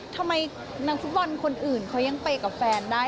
ทำไมนักฟุตบอลคนอื่นเขายังไปกับแฟนได้